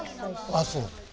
あっそう。